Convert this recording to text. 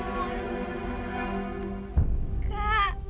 kak bangun kak